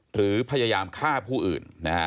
หรือพยายามฆ่าผู้อื่นนะฮะ